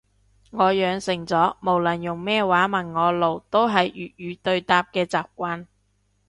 我養成咗無論用咩話問我路都係粵語對答嘅習慣